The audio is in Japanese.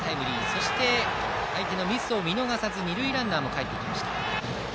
そして相手のミスを見逃さず二塁ランナーもかえってきました。